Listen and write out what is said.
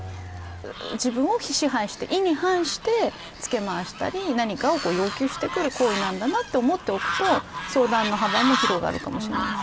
自分を支配して意に反して、つけまわしたり何かを要求してくる行為なんだなと思っておくと相談の幅も広がるかもしれないです。